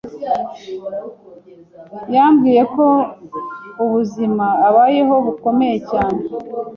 Yambwiye ko ubuzima abayeho bukomeye cyane